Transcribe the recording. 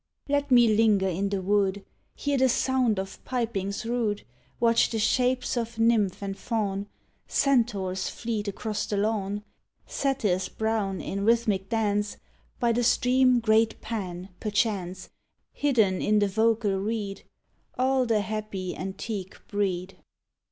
Let me linger in the wood, Hear the sound of pipings rude, Watch the shapes of nymph and fawn, Centaurs fleet across the lawn, Satyrs brown, in rhythmic dance, By the stream great Pan, perchance, Hidden in the vocal reed— All the happy antique breed.